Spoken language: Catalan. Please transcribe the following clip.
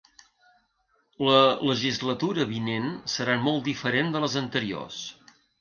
La legislatura vinent serà molt diferent de les anteriors.